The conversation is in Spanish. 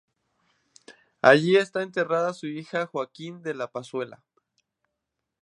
Allí está enterrada su hija Joaquina de la Pezuela.